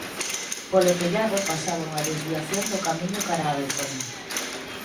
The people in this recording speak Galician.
Polo Tellado pasaba unha desviación do camiño cara a Dozón.